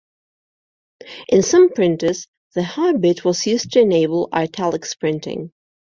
In some printers, the high bit was used to enable Italics printing.